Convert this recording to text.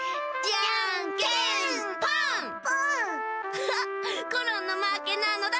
アハハコロンのまけなのだ。